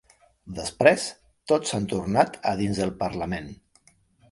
Després, tots han tornat a dins el parlament.